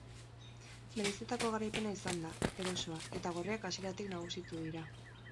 Merezitako garaipena izan da, erosoa, eta gorriak hasieratik nagusitu dira.